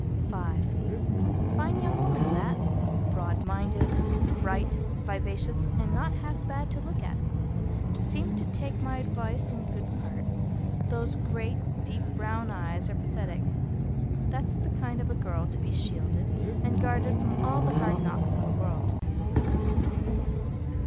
V. "Fine young woman, that. Broad minded, bright, vivacious, and not half bad to look at. Seemed to take my advice in good part. Those great, deep brown eyes are pathetic. That's the kind of a girl to be shielded and guarded from all the hard knocks in the world.